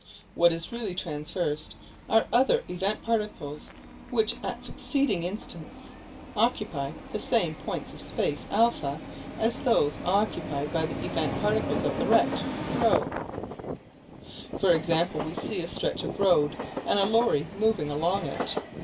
What is really traversed are other event particles which at succeeding instants occupy the same points of space α as those occupied by the event particles of the rect ρ. For example, we see a stretch of road and a lorry moving along it.